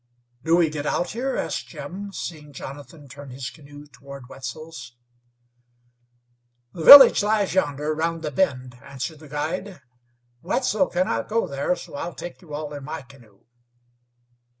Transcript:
"Do we get out here?" asked Jim, seeing Jonathan turn his canoe toward Wetzel's. "The village lies yonder, around the bend," answered the guide. "Wetzel cannot go there, so I'll take you all in my canoe."